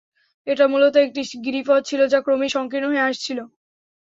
এটা মূলত একটি গিরিপথ ছিল, যা ক্রমেই সংকীর্ণ হয়ে আসছিল।